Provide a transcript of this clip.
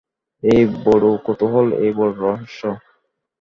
এ বড়ো কৌতূহল, এ বড়ো রহস্য।